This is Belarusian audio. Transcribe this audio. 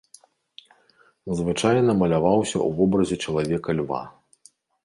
Звычайна маляваўся ў вобразе чалавека-льва.